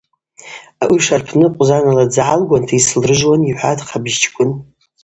Ауи шарпны къвзанала дзы гӏалгуанта йсылрыжвуан, – йхӏватӏ Хъабыжьчкӏвын.